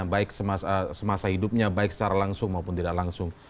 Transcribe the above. baik semasa hidupnya baik secara langsung maupun tidak langsung